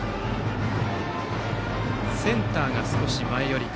センターが少し前寄りか。